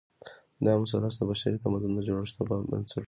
دا مثلث د بشري تمدن د جوړښت بنسټ دی.